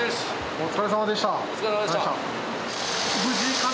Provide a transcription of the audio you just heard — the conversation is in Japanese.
お疲れさまでした。